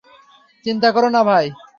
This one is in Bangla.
চিন্তা করো না, ভাই।